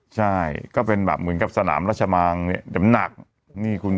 ใช่ก็เป็นแบบเหมือนกับสนามรัชมังเนี่ยเดี่ยวมันหนักนี่คุณ